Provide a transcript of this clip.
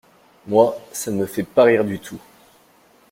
Moi, ça ne me fait pas rire du tout.